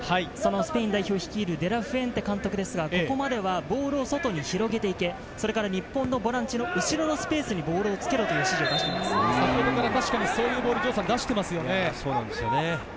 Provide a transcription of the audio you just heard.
デ・ラ・フエンテ監督はここまでボールを外に広げていて、日本のボランチの後ろのスペースにボールを付けろという指示を出先ほどからそういうボールを出していますよね。